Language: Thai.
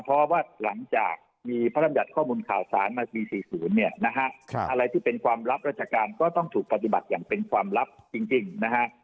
เพราะว่าหลังจากมีพระรำยัติข้อมูลข่าวสารมาปี๔๐เนี่ยนะฮะอะไรที่เป็นความลับราชการก็ต้องถูกปฏิบัติอย่างเป็นความลับจริงนะฮะ